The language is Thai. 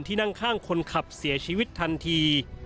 นั่งข้างคนขับเสียชีวิตทันที